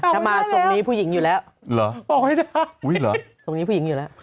ถ้ามาทรงนี้ผู้หญิงอยู่แล้วเหรอบอกไม่ได้อุ้ยเหรอทรงนี้ผู้หญิงอยู่แล้ว